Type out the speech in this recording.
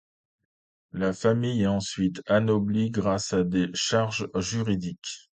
La famille est ensuite anoblie grâce à des charges juridiques.